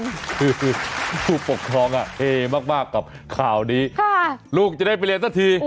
คือผู้ปกครองอ่ะเฮมากกับข่าวนี้ลูกจะได้ไปเรียนสักที